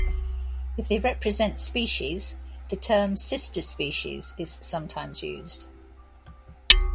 If they represent species, the term "sister species" is sometimes used.